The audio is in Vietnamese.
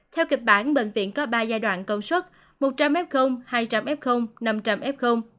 theo kịch bản bệnh viện có ba giai đoạn công suất một trăm linh f hai trăm linh f năm trăm linh f